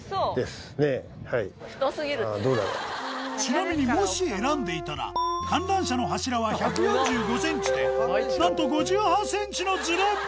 ちなみにもし選んでいたら観覧車の柱は１４５ｃｍで何と５８ｃｍのズレ！